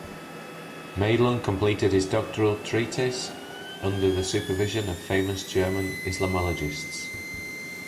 Madelung completed his doctoral treatise under the supervision of famous German Islamologists.